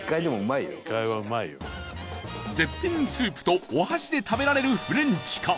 絶品スープとお箸で食べられるフレンチか？